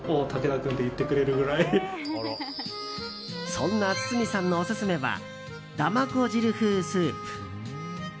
そんな堤さんのオススメはだまこ汁風スープ。